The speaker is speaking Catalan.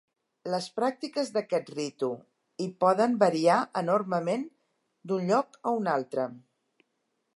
Les pràctiques d'aquest ritu i poden variar enormement d'un lloc a un altre.